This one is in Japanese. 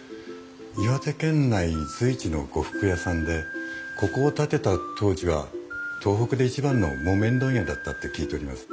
岩手県内随一の呉服屋さんでここを建てた当時は東北で一番の木綿問屋だったって聞いております。